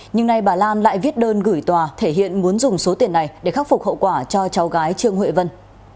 nhưng nay bà lan lại viết đơn gửi tòa thể hiện muốn dùng số tiền này để khắc phục hậu quả cho cháu gái trương huệ vân